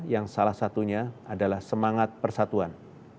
yang salah satunya adalah semangat persatuan